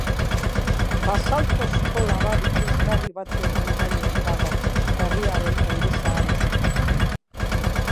Basaltozko labar ikusgarri batzuen gainean dago herriaren alde zahar osoa.